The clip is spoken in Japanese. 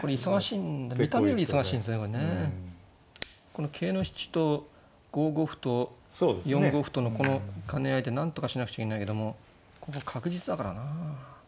この桂の質と５五歩と４五歩とのこの兼ね合いでなんとかしなくちゃいけないけどもここ確実だからなあ。